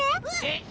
えっ？